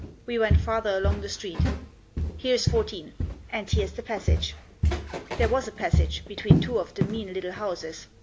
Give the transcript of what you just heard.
We went farther along the street. " Here is 14 — and here's the passage." There was a passage, between two of the mean little houses.